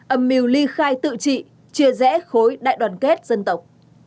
ẩm mìu ly khai tự trị chia rẽ khối đại đoàn kết dân tộc